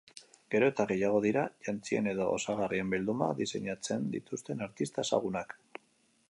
Gero eta gehiago dira jantzien edo osagarrien bildumak diseinatzen dituzten artista ezagunak.